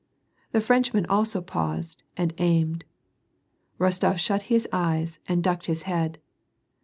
The French man also paused, and aimed. Rostof shut his eyes and ducked his head.